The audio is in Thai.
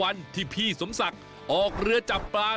วันนี้พาลงใต้สุดไปดูวิธีของชาวปักใต้อาชีพชาวเล่น